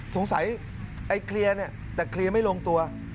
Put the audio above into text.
สงสัยไอ้เคลียร์แต่เคลียร์ไม่ลงตัว